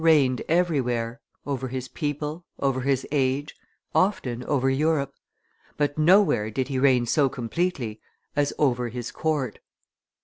reigned everywhere, over his people, over his age, often over Europe; but nowhere did he reign so completely as over his court.